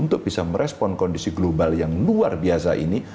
untuk bisa merespon kondisi global yang luar biasa ini